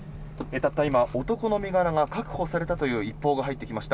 たった今男の身柄が確保されたという一報が入ってきました。